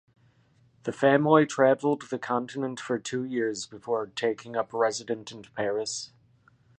The family traveled the continent for two years before taking up resident in Paris.